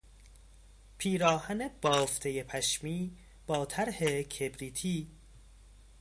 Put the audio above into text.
پیراهن بافتهی پشمی با طرح کبریتی